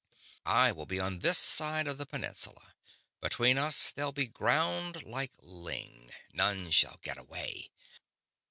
I will be on this side of the peninsula; between us they'll be ground like ling. None shall get away!"